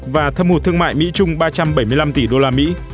và thâm hụt thương mại mỹ trung ba trăm bảy mươi năm tỷ usd